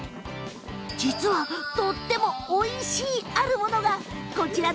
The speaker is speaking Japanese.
実は、とってもおいしいあるものがこちら！